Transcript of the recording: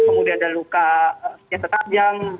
kemudian ada luka senjata tajam